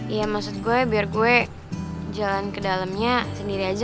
ya maksud gue biar gue jalan ke dalamnya sendiri aja